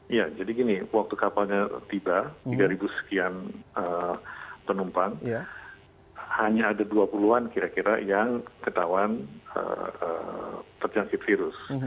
iya jadi gini waktu kapalnya tiba tiga sekian penumpang hanya ada dua puluh an kira kira yang ketahuan terjangkit virus